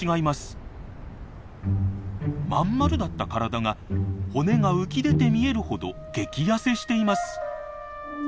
まんまるだった体が骨が浮き出て見えるほど激ヤセしています！